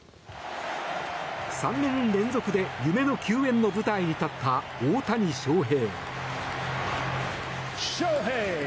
３年連続で夢の球宴の舞台に立った大谷翔平。